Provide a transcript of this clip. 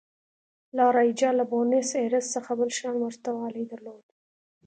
لا رایجا له بونیس ایرس څخه بل شان ورته والی درلود.